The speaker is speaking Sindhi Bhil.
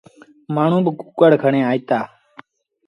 مآڻهوٚݩ با ڪُڪڙ کڻي آئيٚتآ۔